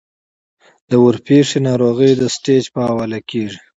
د ورپېښې ناروغۍ د سټېج پۀ حواله کيږي -